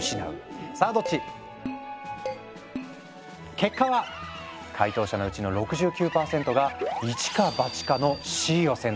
結果は回答者のうちの６９％がいちかばちかのＣを選択したんだ。